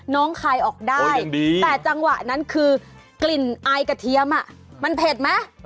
คลายออกได้แต่จังหวะนั้นคือกลิ่นอายกระเทียมมันเผ็ดไหม